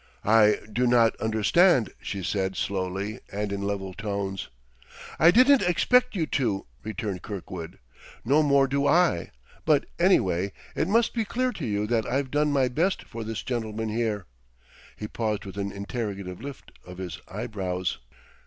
"I do not understand," she said slowly and in level tones. "I didn't expect you to," returned Kirkwood; "no more do I.... But, anyway, it must be clear to you that I've done my best for this gentleman here." He paused with an interrogative lift of his eyebrows.